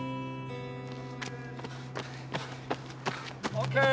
ＯＫ！